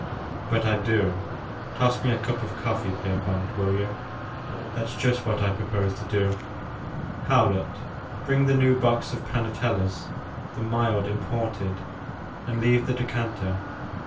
But I do, — toss me a cup of coffee, Pierpont, will you, — ^that *s just what I propose to do. Howlett, bring the new box of Panatella's, — the mild imported ;— ^and leave the decanter.